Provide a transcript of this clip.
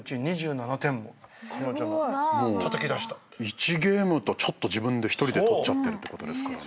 １ゲームとちょっと自分で１人で取っちゃってるってこと。